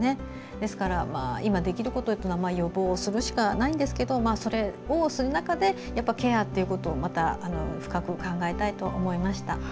ですから、今できることは予防するしかないんですがそれをする中でケアということをまた、深く考えたいと思いました。